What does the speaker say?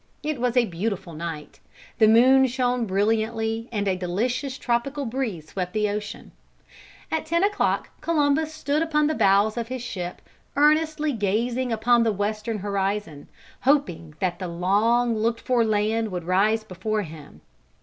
It was a beautiful night, the moon shone brilliantly and a delicious tropical breeze swept the ocean. At ten o'clock Columbus stood upon the bows of his ship earnestly gazing upon the western horizon, hoping that the long looked for land would rise before him.